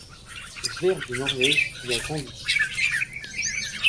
Sverre de Norvège y a grandi.